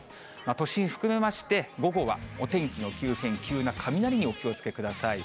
都心含めまして、午後はお天気の急変、急な雷にお気をつけください。